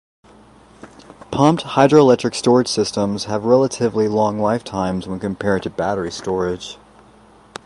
Pumped hydroelectric storage systems have relatively long lifetimes when compared to battery storage.